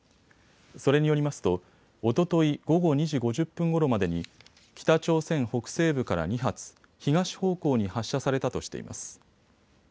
それによりますとおととい午後２時５０分ごろまでに北朝鮮北西部から２発、東方向に発射されたとしています。